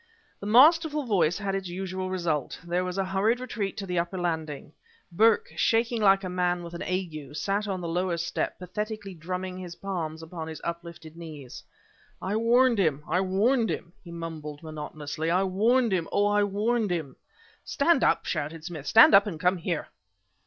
The masterful voice had its usual result; there was a hurried retreat to the upper landing. Burke, shaking like a man with an ague, sat on the lower step, pathetically drumming his palms upon his uplifted knees. "I warned him, I warned him!" he mumbled monotonously, "I warned him, oh, I warned him!" "Stand up!" shouted Smith "stand up and come here!"